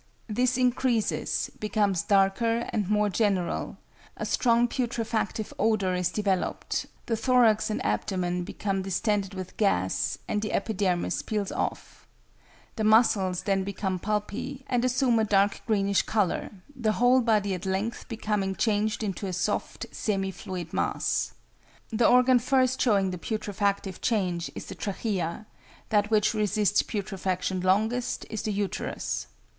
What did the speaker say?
This increases, becomes darker and more general, a strong putrefactive odour is developed, the thorax and abdomen become distended with gas, and the epidermis peels off. The muscles then become pulpy, and assume a dark greenish colour, the whole body at length becoming changed into a soft, semi fluid mass. The organ first showing the putrefactive change is the trachea; that which resists putrefaction longest is the uterus.